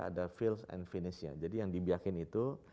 ada feels and finish nya jadi yang dibiakin itu